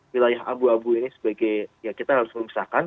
wilayah abu abu ini sebagai ya kita harus memisahkan